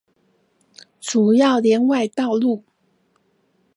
主要聯外道路